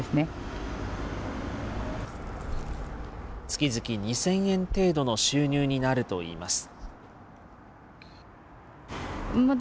月々２０００円程度の収入になるといいます。